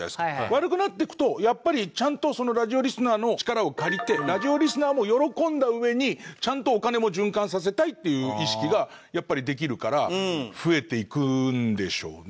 悪くなっていくとやっぱりちゃんとラジオリスナーの力を借りてラジオリスナーも喜んだうえにちゃんとお金も循環させたいっていう意識がやっぱりできるから増えていくんでしょうね。